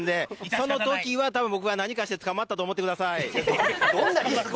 その時には僕が何かして捕まったんだと思ってください。